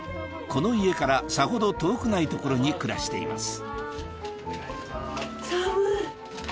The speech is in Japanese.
この家からさほど遠くない所に暮らしています